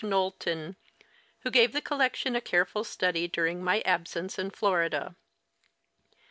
Knowlton, who gave the collection a careful study during my absence in Florida.